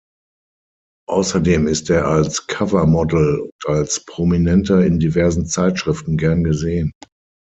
Außerdem ist er als Covermodel und als Prominenter in diversen Zeitschriften gern gesehen.